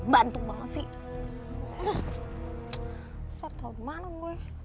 bantuk banget sih